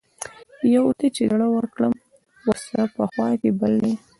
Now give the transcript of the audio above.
يو ته چې زړۀ ورکړم ورسره پۀ خوا کښې بل دے